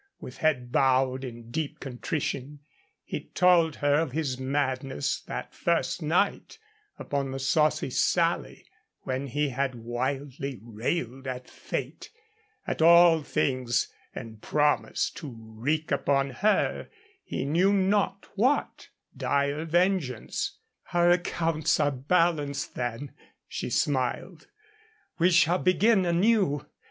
With head bowed, in deep contrition he told her of his madness that first night upon the Saucy Sally, when he had wildly railed at fate, at all things, and promised to wreak upon her he knew not what dire vengeance. "Our accounts are balanced, then," she smiled. "We shall begin anew.